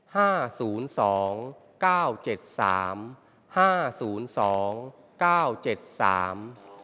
ห้าศูนย์สองเก้าเจ็ดสามห้าศูนย์สองเก้าเจ็ดสาม